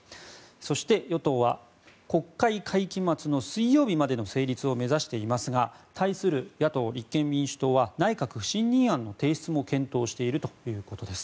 そして、与党は国会会期末の水曜日までの成立を目指していますが対する野党、立憲民主党は内閣不信任案の提出も検討しているということです。